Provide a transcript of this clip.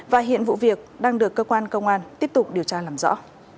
và hiện vụ việc đang được cơ quan công an tiếp tục điều tra làm rõ